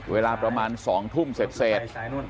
เวลาประมาณ๒ทุ่มเสร็จ